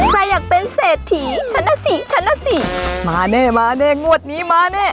ใครอยากเป็นเศรษฐีฉันน่ะสิฉันน่ะสิมาแน่มาแน่งวดนี้มาแน่